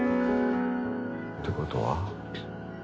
てことは？